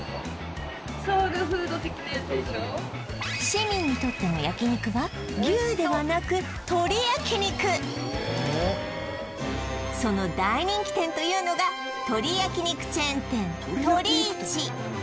市民にとっての焼肉は牛ではなく鶏焼肉えっその大人気店というのが鶏焼肉チェーン店とりいち